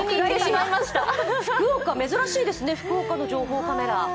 福岡、珍しいですね福岡の情報カメラ。